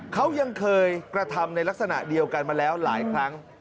เขายังเคยกระทำในลักษณะเดียวกันมาแล้วหลายครั้ง